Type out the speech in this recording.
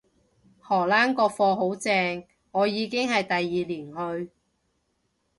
荷蘭個課好正，我已經係第二年去